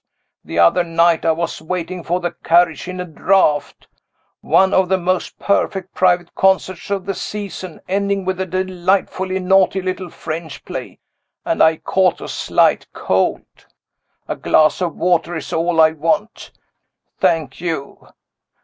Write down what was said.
The other night, I was waiting for the carriage in a draught (one of the most perfect private concerts of the season, ending with a delightfully naughty little French play) and I caught a slight cold. A glass of water is all I want. Thank you.